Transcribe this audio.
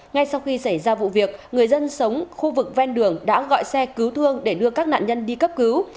ngay sau khi xảy ra vụ việc người dân sống khu vực ven đường đã gọi xe cứu thương để đưa các nạn nhân đi cấp cứu